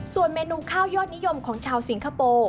ส่วนเมนูข้าวยอดนิยมของชาวสิงคโปร์